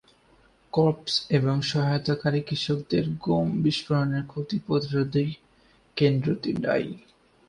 Corps এবং সহায়তাকারী কৃষকদের গম বিস্ফোরণের ক্ষতি প্রতিরোধে কেন্দ্রটি দায়ী।